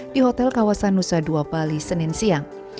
di hotel kawasan nusa dua bali senin siang